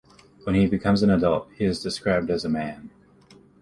When he becomes an adult, he is described as a man.